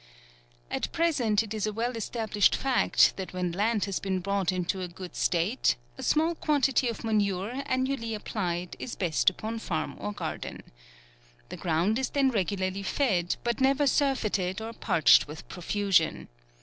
At present it is a well established fact, that when land has been brought into a good state, a small quantity of manure, annually 26 PKBRUARV. applied, is best upon farm or garden. The ground is then regularly fed, but never sur feited, or parched with profusion.